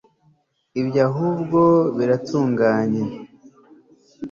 ibyo ahubwo bitunguranye